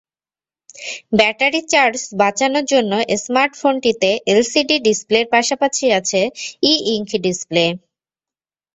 ব্যাটারির চার্জ বাঁচানোর জন্য স্মার্টফোনটিতে এলসিডি ডিসপ্লের পাশাপাশি আছে ই-ইংক ডিসপ্লে।